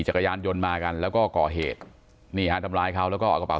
จักรยานยนต์มากันแล้วก็ก่อเหตุนี่ฮะทำร้ายเขาแล้วก็เอากระเป